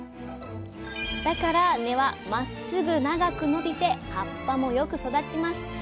だから根はまっすぐ長く伸びて葉っぱもよく育ちます。